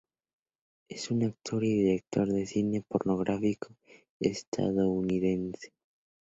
Es un actor y director de cine pornográfico estadounidense.